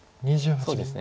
そうですね。